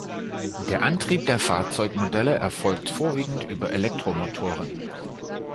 Der Antrieb der Fahrzeugmodelle erfolgt vorwiegend über Elektromotoren.